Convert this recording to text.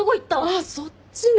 あっそっちね。